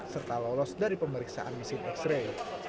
serta lolos dari pemeriksaan mesin x ray